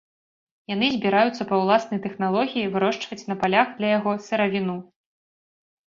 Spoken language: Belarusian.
Яны збіраюцца па ўласнай тэхналогіі вырошчваць на палях для яго сыравіну.